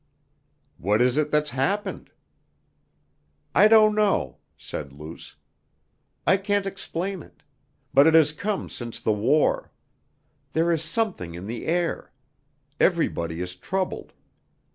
"What is it that's happened?" "I don't know," said Luce, "I can't explain it. But it has come since the war. There is something in the air. Everybody is troubled.